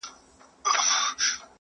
سپین وېښته راته پخوا منزل ښودلی؛